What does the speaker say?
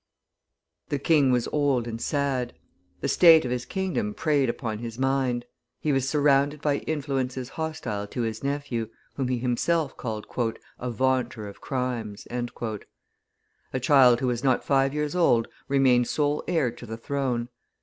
The king was old and sad; the state of his kingdom preyed upon his mind; he was surrounded by influences hostile to his nephew, whom he himself called "a vaunter of crimes." A child who was not five years old remained sole heir to the throne.